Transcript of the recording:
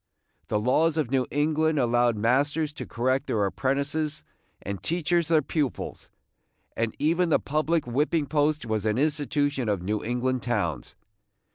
The laws of New England allowed masters to correct their apprentices, and teachers their pupils, – and even the public whipping post was an institution of New England towns.